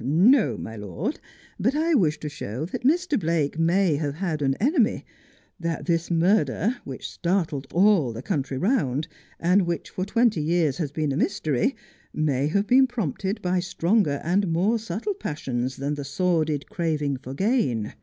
Xo, my lord, but I wish to show that Mr. Blake may have had an enemy ; that this murder, which startled all the country round, and which for twenty years has been a mystery, may have been prompted by stronger and more subtle passions than the sordid craving for gain.